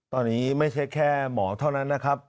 ตอนนี้ไม่ใช่แค่หมอเท่านั้นนะครับ